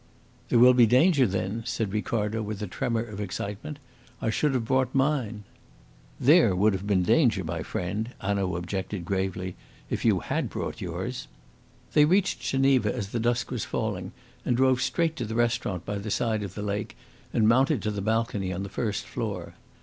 "There will be danger, then?" said Ricardo, with a tremor of excitement. "I should have brought mine." "There would have been danger, my friend," Hanaud objected gravely, "if you had brought yours." They reached Geneva as the dusk was falling, and drove straight to the restaurant by the side of the lake and mounted to the balcony on the first floor.